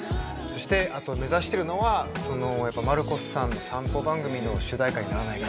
そしてあと目指してるのはやっぱマルコスさんの散歩番組の主題歌にならないかな。